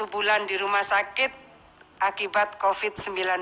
enam bulan di rumah sakit akibat covid sembilan belas